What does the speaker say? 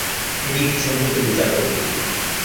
এটি একটি সংক্ষিপ্ত বিচার পদ্ধতি।